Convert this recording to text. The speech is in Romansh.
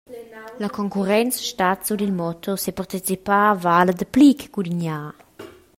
La concurrenza stat sut il motto separticipar vala dapli che gudignar.